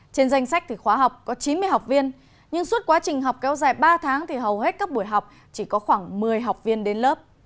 trên danh sách thì khóa học có chín mươi học viên nhưng suốt quá trình học kéo dài ba tháng thì hầu hết các buổi học chỉ có khoảng một mươi học viên đến lớp